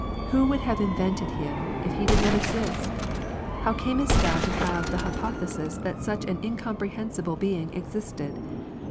"Who would have invented Him, if He did not exist ? How camest thou to have the hypothesis that such an imcomprehensible being existed